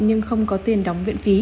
nhưng không có tiền đóng viện phí